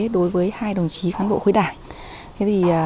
đối với hai đồng chí cán bộ khối đảng